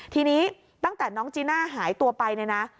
ทีนี้ตั้งแต่น้องจีน่าหายตัวไปเนี่ยนะ